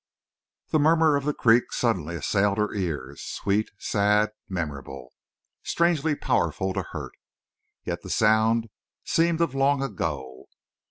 The murmur of the creek suddenly assailed her ears—sweet, sad, memorable, strangely powerful to hurt. Yet the sound seemed of long ago.